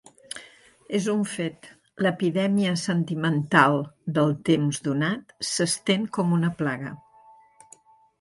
És un fet, l'epidèmia sentimental del temps donat s'estén com una plaga.